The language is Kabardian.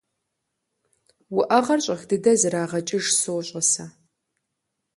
УӀэгъэр щӀэх дыдэ зэрагъэкӀыж сощӀэ сэ.